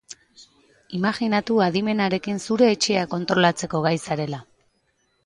Imajinatu adimenarekin zure etxea kontrolatzeko gai zarela.